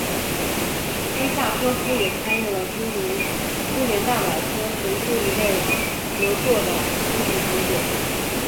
伊萨科夫也参与了诸如苏联大百科全书一类着作的编辑工作。